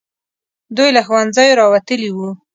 دوی له ښوونځیو راوتلي وو.